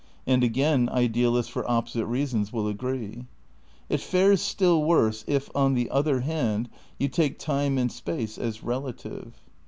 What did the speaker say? (And again, idealists for opposite reasons will agree.) It fares stiU worse if, on the other hand, you take time and space as rela tive.